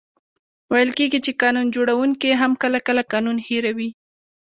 ویل کېږي چي قانون جوړونکې هم کله، کله قانون هېروي.